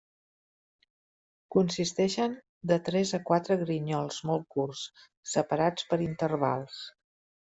Consisteixen de tres a quatre grinyols molt curts, separats per intervals.